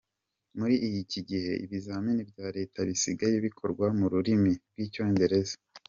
Muri iki gihe ibizamini bya Leta bisigaye bikorwa mu rurimi rw’icyongereza.